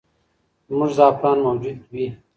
زموږ زعفران موجود وي.